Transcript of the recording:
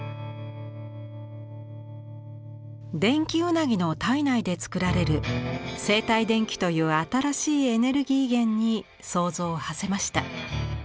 電気ウナギの体内で作られる生体電気という新しいエネルギー源に想像をはせました。